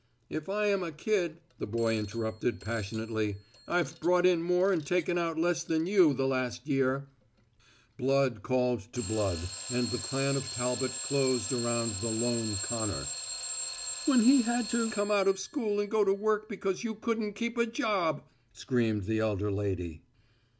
"If I am a kid," the boy interrupted passionately, "I've brought in more and taken out less than you the last year." Blood called to blood, and the clan of Talbot closed around the lone Connor. "When he had to come out of school and go to work because you couldn't keep a job!" screamed the elder lady.